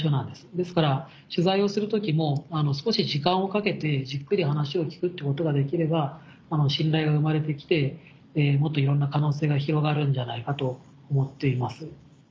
ですから取材をする時も少し時間をかけてじっくり話を聞くっていうことができれば信頼が生まれて来てもっといろんな可能性が広がるんじゃないかと思っています。